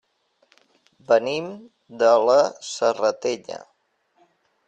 Venim de la Serratella.